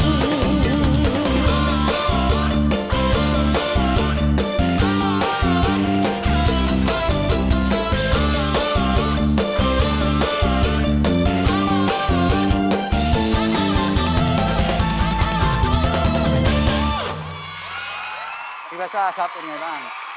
พี่พาซ่าครับเป็นไงบ้าง